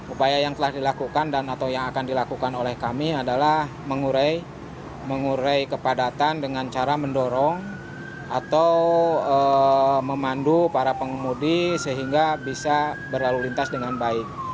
upaya yang telah dilakukan dan atau yang akan dilakukan oleh kami adalah mengurai kepadatan dengan cara mendorong atau memandu para pengemudi sehingga bisa berlalu lintas dengan baik